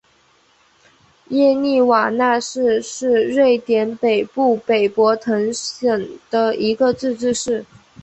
耶利瓦勒市是瑞典北部北博滕省的一个自治市。